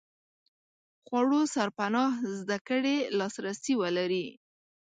خوړو سرپناه زده کړې لاس رسي ولري.